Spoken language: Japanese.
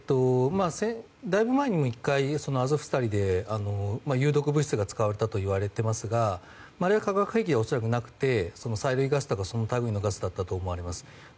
だいぶ前にも１回アゾフスタリで有毒物質が使われたといわれていますがあれは化学兵器ではなくて催涙ガスとかそのたぐいのガスだったと思われます。